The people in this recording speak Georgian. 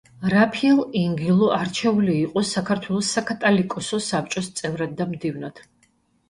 რაფიელ ინგილო არჩეული იყო საქართველოს საკათალიკოსო საბჭოს წევრად და მდივნად.